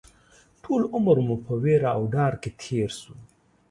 ټول عمر مو په وېره او ډار کې تېر شو